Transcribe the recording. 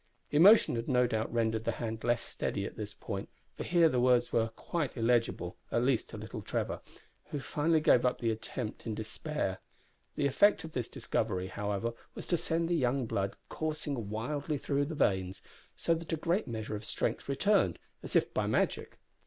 Emotion had no doubt rendered the hand less steady at this point, for here the words were quite illegible at least to little Trevor who finally gave up the attempt in despair. The effect of this discovery, however, was to send the young blood coursing wildly through the veins, so that a great measure of strength returned, as if by magic.